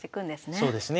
そうですね。